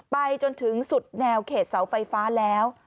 ไปจนถึงสุดแนวเขตเสาไฟฟ้าแล้ว